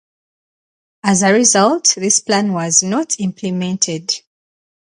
As a result, this plan was not implemented.